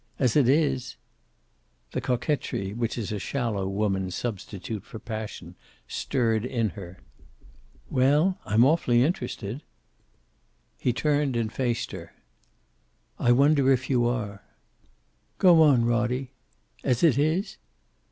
As it is " The coquetry which is a shallow woman's substitute for passion stirred in her. "Well? I'm awfully interested." He turned and faced her. "I wonder if you are!" "Go on, Roddie. As it is??"